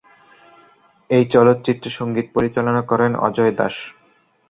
এই চলচ্চিত্রে সংগীত পরিচালনা করেন অজয় দাস।